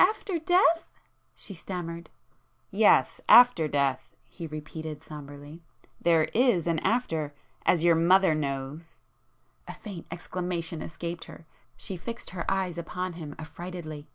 "After death! ..." she stammered. "Yes,—after death!" he repeated sombrely—"There is an after;—as your mother knows!" A faint exclamation escaped her,—she fixed her eyes upon him affrightedly.